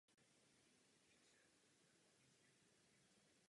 Do soutěže dvouhry nastupuje dvacet osm hráček a čtyřhry se účastní šestnáct párů.